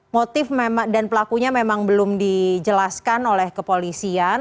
motif dan pelakunya memang belum dijelaskan oleh kepolisian